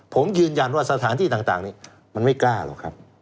ผมยืนยันว่าสถานที่ต่างนี้มันไม่กล้าหรอกครับ